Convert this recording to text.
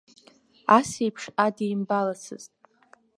Ас еиԥш адимбалацызт.